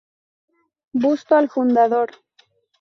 Busto al Fundador.